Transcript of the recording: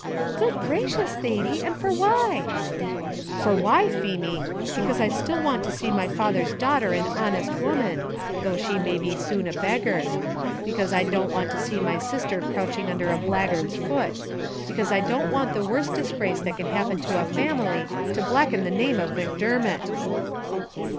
"Good gracious, Thady! and for why?" "For why, Feemy! becase I still want to see my father's daughter an honest woman, though she may be soon a beggar; becase I don't want to see my sister crouching under a blackguard's foot; becase I don't want the worst disgrace that can happen a family to blacken the name of Macdermot!"